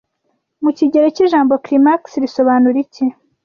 Mu kigereki ijambo climax risobanura iki